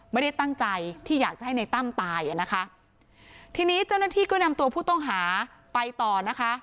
ไม่ได้ตั้งใจที่อยากจะให้ในตั้มตายอ่ะนะคะทีนี้เจ้าหน้าที่ก็นำตัวผู้ต้องหาไปต่อนะคะ